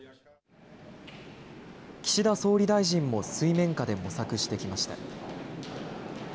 岸田総理大臣も水面下で模索してきました。